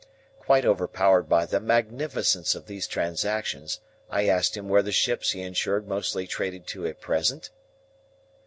Quite overpowered by the magnificence of these transactions, I asked him where the ships he insured mostly traded to at present?